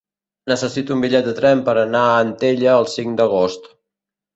Necessito un bitllet de tren per anar a Antella el cinc d'agost.